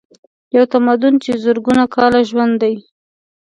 یو تمدن چې زرګونه کاله ژوندی دی.